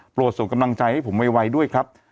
ส่งกำลังใจให้ผมไวด้วยครับ